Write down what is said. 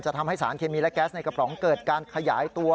ทำให้สารเคมีและแก๊สในกระป๋องเกิดการขยายตัว